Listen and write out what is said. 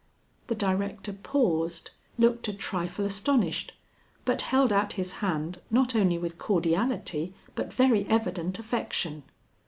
The director paused, looked a trifle astonished, but held out his hand not only with cordiality but very evident affection.